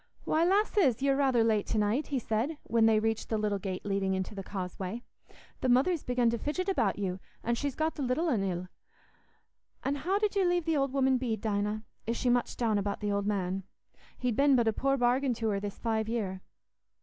"Why, lasses, ye're rather late to night," he said, when they reached the little gate leading into the causeway. "The mother's begun to fidget about you, an' she's got the little un ill. An' how did you leave the old woman Bede, Dinah? Is she much down about the old man? He'd been but a poor bargain to her this five year."